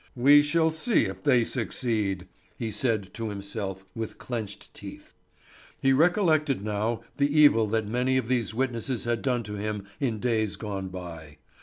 "We shall see if they succeed!" he said to himself with clenched teeth. He recollected now the evil that many of these witnesses had done to him in days gone by.